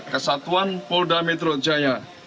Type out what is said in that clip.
kesatuan polda metro jaya